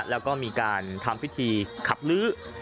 แล้วก็มีการทำพิธีขับลื้อ